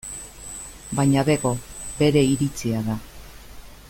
Baina bego, bere iritzia da.